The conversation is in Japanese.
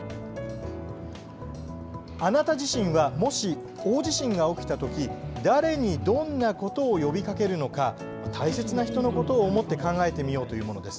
あなた自身はもし大地震が起きた時誰に、どんなことを呼びかけるのか大切な人のことを思って考えてみようというものです。